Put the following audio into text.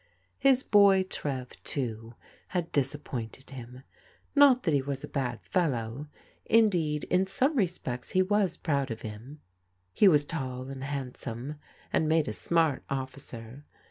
His boy, Trev, too, had disappointed him. Not that he was a bad fellow. Indeed, in some respects he was proud of him. He was tall and handsome, and made a smart officer.